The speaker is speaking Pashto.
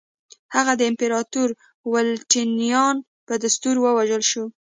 هغه د امپراتور والنټینیان په دستور ووژل شي.